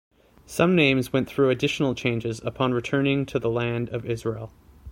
Some names went through additional changes upon returning to the Land of Israel.